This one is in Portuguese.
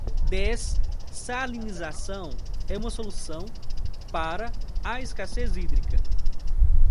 Dessalinização é uma solução para a escassez hídrica